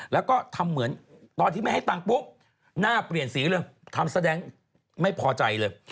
แล้วก็ทำเหมือนตอนที่ไม่ให้ตังค์ปุ๊บหน้าเปลี่ยนสีเลยทำแสดงไม่พอใจเลย